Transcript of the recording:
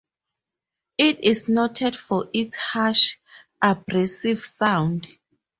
It is noted for its harsh, abrasive sound.